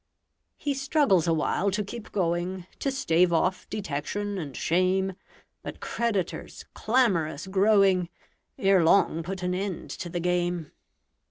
He struggles awhile to keep going, To stave off detection and shame; But creditors, clamorous growing, Ere long put an end to the game.